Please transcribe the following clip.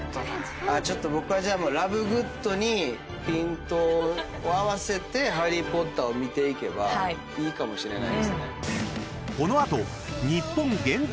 僕はじゃあラブグッドにピントを合わせて『ハリー・ポッター』を見ていけばいいかもしれないですね。